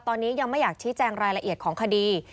ตอนนี้ยังไม่อยากชี้แจงรายละเอียดของคดี